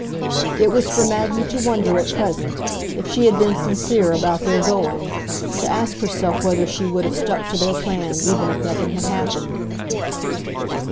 It was for Maggie to wonder, at present, if she had been sincere about their going, to ask herself whether she would have stuck to their plan even if nothing had happened.